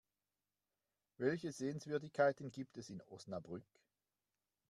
Welche Sehenswürdigkeiten gibt es in Osnabrück?